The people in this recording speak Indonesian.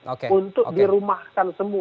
oke untuk dirumahkan